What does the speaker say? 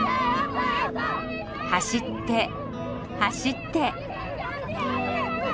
走って走って。